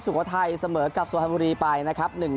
สุโขทัยเสมอกับสุพรรณบุรีไปนะครับ